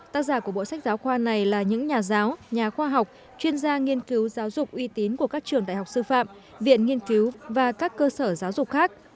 tác giả của bộ sách giáo khoa này là những nhà giáo nhà khoa học chuyên gia nghiên cứu giáo dục uy tín của các trường đại học sư phạm viện nghiên cứu và các cơ sở giáo dục khác